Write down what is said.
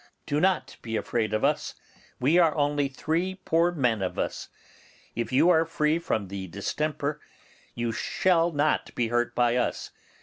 Do not be afraid of us; we are only three poor men of us. If you are free from the distemper you shall not be hurt by us.